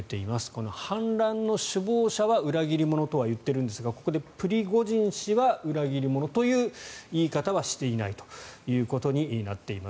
この反乱の首謀者は裏切り者とは言っているんですがここではプリゴジン氏は裏切り者という言い方はしていないということになっています。